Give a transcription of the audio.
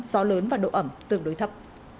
gió lớn và độ ẩm tương đối thấp